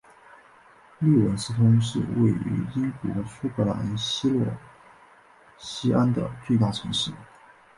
利文斯通是位于英国苏格兰西洛锡安的最大城市。